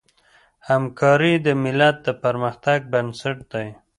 همکاري د ملت د پرمختګ بنسټ دی.